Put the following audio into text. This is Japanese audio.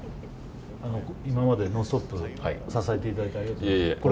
今まで「ノンストップ！」を支えていただいてありがとうございました。